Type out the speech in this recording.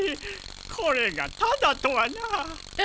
これがタダとはなあ。